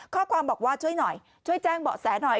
ข้อความบอกว่าช่วยหน่อยช่วยแจ้งเบาะแสหน่อย